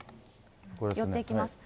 寄っていきます。